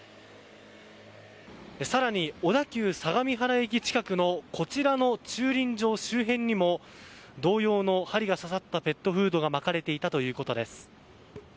更に小田急相模原駅近くのこちらの駐輪場周辺にも同様の針が刺さったペットフードがまかれていたということです。